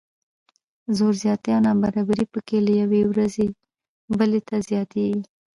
زور زیاتی او نابرابري پکې له یوې ورځې بلې ته زیاتیږي.